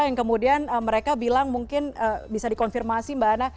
yang kemudian mereka bilang mungkin bisa dikonfirmasi mbak anna